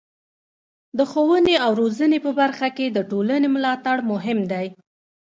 د ښوونې او روزنې په برخه کې د ټولنې ملاتړ مهم دی.